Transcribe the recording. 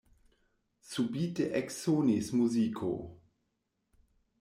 Subite eksonis muziko!